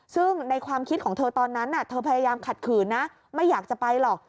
ซึ่งในความคิดของเธอตอนนั้นเธอพยายามขัดขืนนะไม่อยากจะไปหรอก